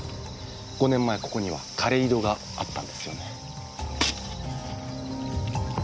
５年前ここには枯れ井戸があったんですよね。